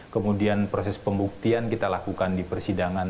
kemudian proses pembuktian kita lakukan di persidangan